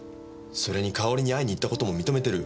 それにかおりに会いにいった事も認めてる。